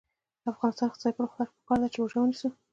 د افغانستان د اقتصادي پرمختګ لپاره پکار ده چې روژه ونیسو.